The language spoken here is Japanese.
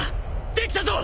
できたぞ！